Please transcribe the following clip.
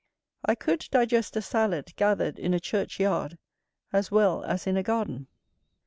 I could digest a salad gathered in a church yard as well as in a garden.